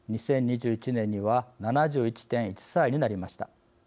２０２１年には７１．１歳になりました。